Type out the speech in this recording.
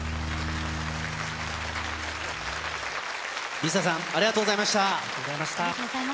ＬｉＳＡさん、ありがとうございました。